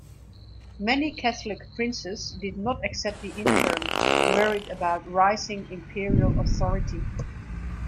Many Catholic princes did not accept the Interim, worried about rising imperial authority.